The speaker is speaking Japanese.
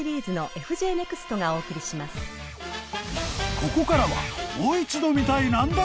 ［ここからは］